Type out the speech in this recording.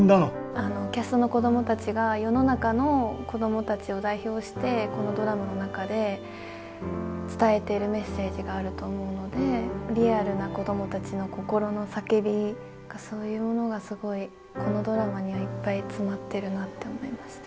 あのキャストの子どもたちが世の中の子どもたちを代表してこのドラマの中で伝えてるメッセージがあると思うのでリアルな子どもたちの心の叫びがそういうものがすごいこのドラマにはいっぱい詰まってるなって思いました。